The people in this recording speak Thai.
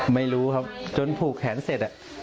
ไม่รู้ครับจนผูกแขนเสร็จ